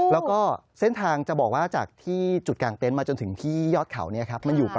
แล้วก็เส้นทางจะบอกว่าจากที่จุดกลางเต็นต์มาจนถึงที่ยอดเขาเนี่ยครับ